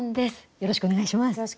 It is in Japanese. よろしくお願いします。